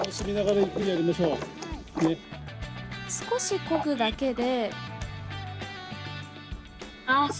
少しこぐだけで。